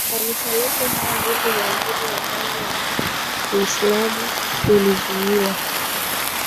wa Kanisa lote Hata hivyo mwanzoni mwa karne ya nane Uislamu ulizuiwa